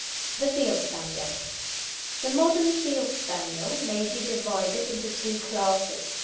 THE FIELD SPANIEL. The modern Field Spaniel may be divided into two classes.